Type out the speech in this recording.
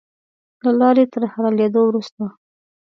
له لارې تر حلالېدلو وروسته.